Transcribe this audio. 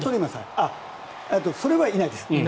それはいないです。